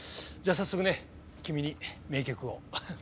じゃあ早速ね君に名曲を。